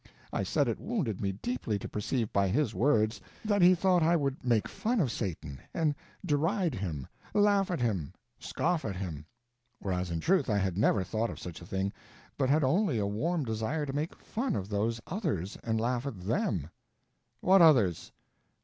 I said it wounded me deeply to perceive by his words that he thought I would make fun of Satan, and deride him, laugh at him, scoff at him; whereas in truth I had never thought of such a thing, but had only a warm desire to make fun of those others and laugh at them. "What others?"